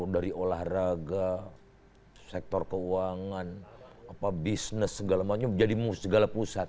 dari olahraga sektor keuangan bisnis segala macam jadi segala pusat